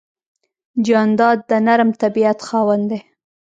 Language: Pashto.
جانداد د نرم طبیعت خاوند دی.